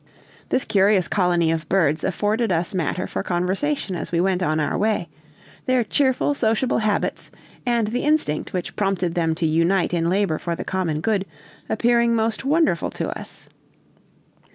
This curious colony of birds afforded us matter for conversation as we went on our way; their cheerful, sociable habits, and the instinct which prompted them to unite in labor for the common good, appearing most wonderful to us.